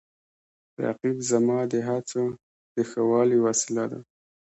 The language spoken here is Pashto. رقیب زما د هڅو د ښه والي وسیله ده